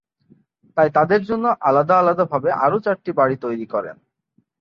তাই তাদের জন্য আলাদা আলাদাভাবে আরো চারটি বাড়ি তৈরি করেন।